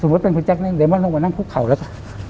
สมมุติเป็นพี่แจ๊คนี่เลมอนต้องมานั่งพุกเข่าแล้วก็